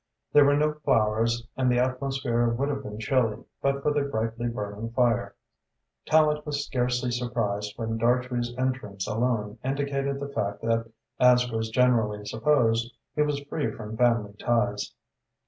There were no flowers and the atmosphere would have been chilly, but for the brightly burning fire. Tallente was scarcely surprised when Dartrey's entrance alone indicated the fact that, as was generally supposed, he was free from family ties.